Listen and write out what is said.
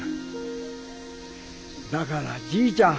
だからじいちゃん